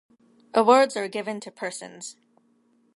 Awards are given to persons.